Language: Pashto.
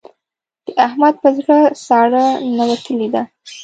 د احمد په زړه ساړه ننوتلې ده.